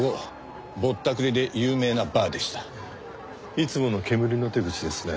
いつものけむりの手口ですね。